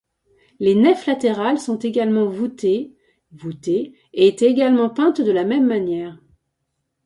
Les nefs latérales sont également voûtéesvoutées et étaient également peintes de la même manière.